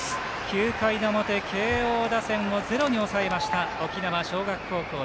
９回の表、慶応打線をゼロに抑えました、沖縄尚学高校。